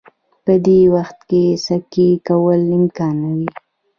په دې وخت کې د سکی کولو امکان نه وي